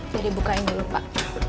jadi bukain dulu pak